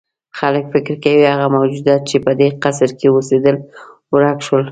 خلک فکر کوي هغه موجودات چې په دې قصر کې اوسېدل ورک شول.